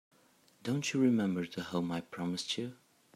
Don't you remember the home I promised you?